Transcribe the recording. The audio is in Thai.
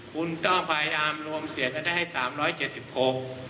คุณต้องพยายามรวมเสียงจะได้ให้สามร้อยเจ็ดสิบโค